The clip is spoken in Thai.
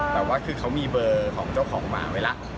แต่ว่าคือเขามีเบอร์ของเจ้าของหมาไว้แล้ว